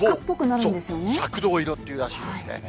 赤銅色っていうらしいですね。